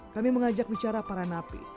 kami mengajak bicara para napi